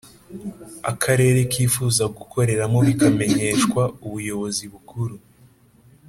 akarere kifuza gukoreramo bikamenyeshwa ubuyobozi bukuru